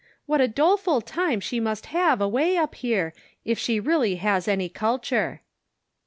What a doleful time she must have away up here, if she really has any culture."